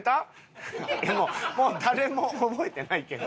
もう誰も覚えてないけど。